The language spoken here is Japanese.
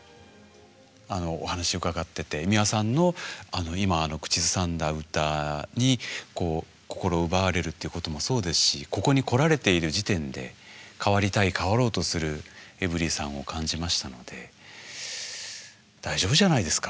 お話を伺ってて美輪さんの今口ずさんだ歌に心を奪われるっていうこともそうですしここに来られている時点で変わりたい変わろうとするエブリィさんを感じましたので大丈夫じゃないですか。